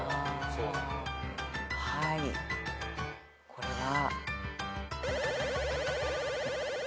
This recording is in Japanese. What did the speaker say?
これは。